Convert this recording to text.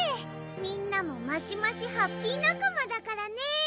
みんなもマシマシハッピー仲間だからね